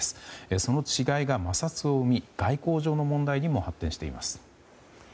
その違いが摩擦を生み外交上の問題にも発展しています。